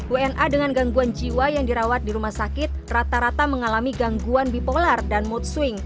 wna dengan gangguan jiwa yang dirawat di rumah sakit rata rata mengalami gangguan bipolar dan mood swing